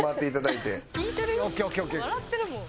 笑ってるもん。